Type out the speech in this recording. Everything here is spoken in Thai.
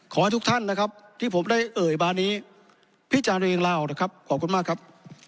ขอให้ทุกท่านนะครับที่ผมได้เอ่ยมานี้พิจารณ์ตัวเองลาออกนะครับขอบคุณมากครับ